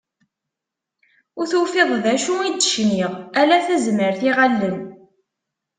Ur tufiḍ d acu i d-cniɣ, ala tazmert iɣallen.